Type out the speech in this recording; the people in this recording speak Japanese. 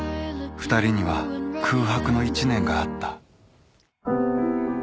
２人には空白の１年があった